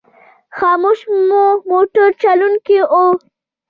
خاموش مو موټر چلوونکی و.